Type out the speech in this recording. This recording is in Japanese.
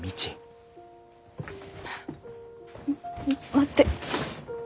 待って。